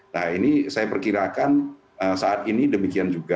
nah ini saya perkirakan saat ini demikian juga